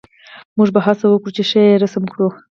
موږ به هڅه وکړو چې ښه یې رسم کړو